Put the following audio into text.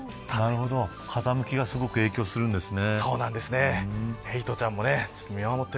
風向きがすごく影響するんですね。